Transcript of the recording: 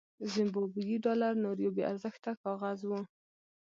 زیمبابويي ډالر نور یو بې ارزښته کاغذ و.